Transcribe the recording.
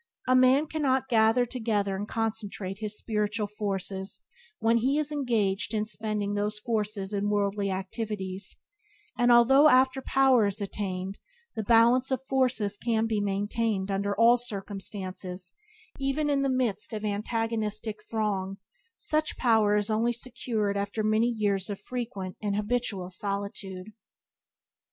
A man cannot gather together and concentrate his spiritual forces while he is engaged in spending those Byways to Blessedness by James Allen 59 forces in worldly activities, and although after power is attained the balance of forces can be maintained under all circumstances, even in the midst of the antagonistic throng, such power is only secured after many years of frequent and habitual solitude.